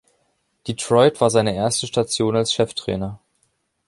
Detroit war seine erste Station als Cheftrainer.